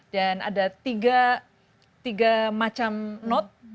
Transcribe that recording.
dan ada tiga macam note